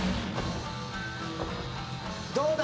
どうだ？